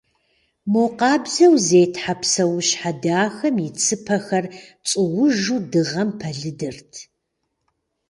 Мо къабзэу зетхьэ псэущхьэ дахэм и цыпэхэр цӀуужу дыгъэм пэлыдырт.